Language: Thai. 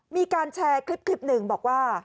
มีการแชร์คลิป๑บอกว่า